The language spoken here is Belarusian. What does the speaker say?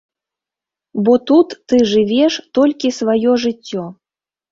Бо тут ты жывеш толькі сваё жыццё.